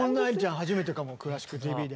初めてかも「クラシックＴＶ」で。